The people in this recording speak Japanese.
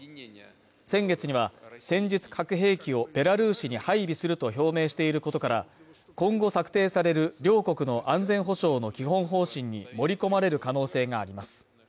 先月には戦術核兵器をベラルーシに配備すると表明していることから、今後策定される領国の安全保障の基本方針に盛り込まれる可能性があります。